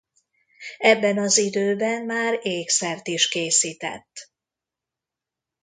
Ebben az időben már ékszert is készített.